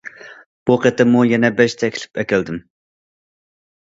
بۇ قېتىممۇ يەنە بەش تەكلىپ ئەكەلدىم.